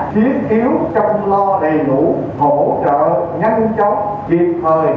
khiến yếu chăm lo đầy đủ hỗ trợ nhanh chóng kịp thời